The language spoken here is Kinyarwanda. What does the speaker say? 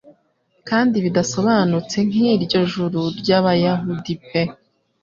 Kandi bidasobanutse nkiryo juru ryabayahudi pe